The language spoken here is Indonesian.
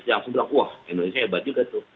langsung bilang wah indonesia hebat juga tuh